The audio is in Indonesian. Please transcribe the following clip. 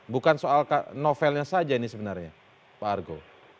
bukan soal novelnya saja ini sebenarnya pak argo